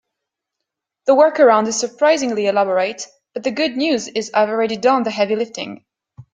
The workaround is surprisingly elaborate, but the good news is I've already done the heavy lifting.